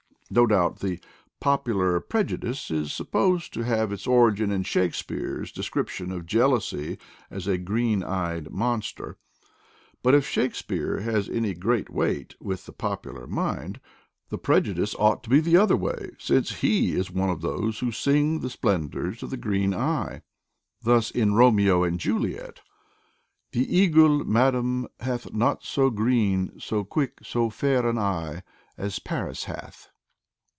No doubt the "popular prejudice" is supposed to have its origin in Shakespeare's description of jealousy as a green eyed monster; but if Shakespeare has any CONCERNING EYES 193 great weight with the popular mind, the prejudice ought to be the other way, since he is one of those who sing the splendors of the green eye. Thus in Borneo and Juliet :— The eagle, madam, Hath not 00 green, so quick, so fair an eye As Paris hath.